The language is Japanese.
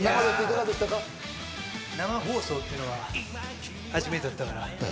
生放送っていうのは初めてだったから。